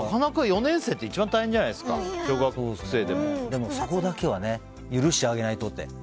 ４年生って一番大変じゃないですかでもそこだけは許してあげないとって。